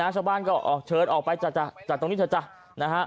ชาวบ้านก็เชิญออกไปจัดตรงนี้จัดจัด